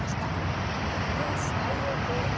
原始太陽系円盤ね。